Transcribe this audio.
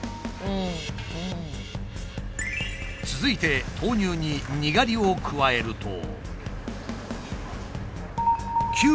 続いて豆乳ににがりを加えると。